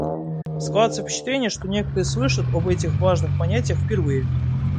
Складывается впечатление, что некоторые слышат об этих важных понятиях впервые.